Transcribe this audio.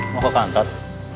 mau ke kantor